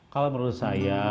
kalau menurut saya